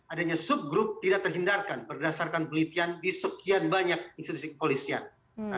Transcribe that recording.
adanya sub group tidak terhindarkan berdasarkan pelitian di sekian banyak institusi kepolisian